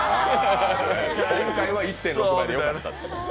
今回は１．６倍でよかったんです。